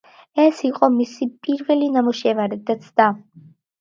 ეს იყო მისი პირველი ნამუშევარი და ცდა.